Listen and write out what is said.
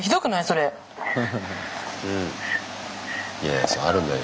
いやあるんだよ